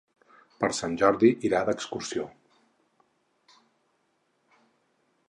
Per Sant Jordi irà d'excursió.